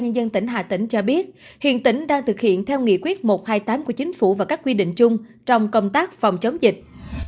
hiện nay tỉnh đang thực hiện theo nghị quyết một trăm hai mươi tám của chính phủ và các quy định chung trong công tác phòng chống dịch